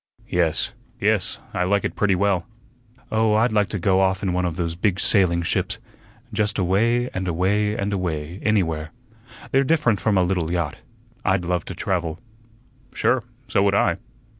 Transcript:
"Yes yes, I like it pretty well." "Oh, I'd like to go off in one of those big sailing ships. Just away, and away, and away, anywhere. They're different from a little yacht. I'd love to travel." "Sure; so would I."